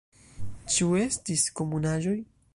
Ĉu estis komunaĵoj?